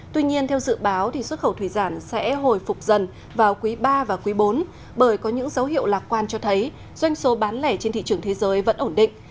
tuy nhiên theo dự báo xuất khẩu thủy sản sẽ hồi phục dần vào quý ba và quý bốn bởi có những dấu hiệu lạc quan cho thấy doanh số bán lẻ trên thị trường thế giới vẫn ổn định